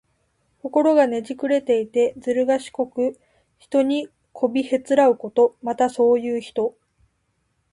心がねじくれていて、ずるがしこく、人にこびへつらうこと。また、そういう人。